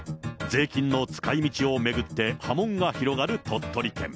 税金の使いみちを巡って波紋が広がる鳥取県。